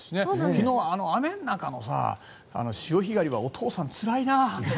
昨日の雨の中の潮干狩りはお父さんつらいな。